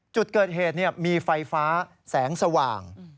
จุดเกิดเหตุมีไฟฟ้าแสงสว่าง